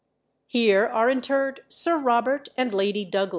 ] Here are interred Sir Robert and Lady Douglas (temp.